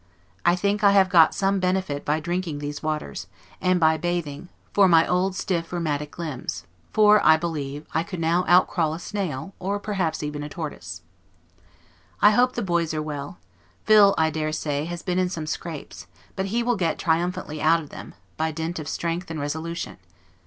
I think I have got some benefit by drinking these waters, and by bathing, for my old stiff, rheumatic limbs; for, I believe, I could now outcrawl a snail, or perhaps even a tortoise. I hope the boys are well. Phil, I dare say, has been in some scrapes; but he will get triumphantly out of them, by dint of strength and resolution.